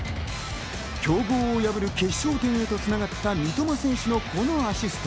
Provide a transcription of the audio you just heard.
強豪を破る決勝点へと繋がった三笘選手のこのアシスト。